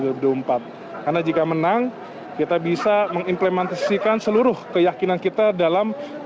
karena jika menang kita bisa mengimplementasikan seluruh keyakinan kita dalam